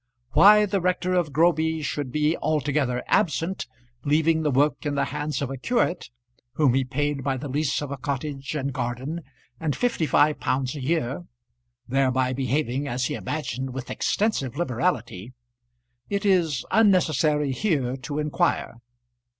Why the rector of Groby should be altogether absent, leaving the work in the hands of a curate, whom he paid by the lease of a cottage and garden and fifty five pounds a year, thereby behaving as he imagined with extensive liberality, it is unnecessary here to inquire.